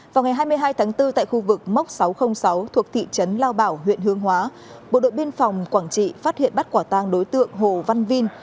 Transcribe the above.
vào ngày hai mươi hai tháng bốn tại khu vực móc sáu trăm linh sáu thuộc thị trấn lao bảo huyện hương hóa bộ đội biên phòng quảng trị phát hiện bắt quả tang đối tượng hồ văn vinh